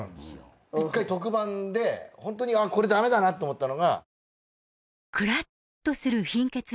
１回特番でホントにこれ駄目だなと思ったのが。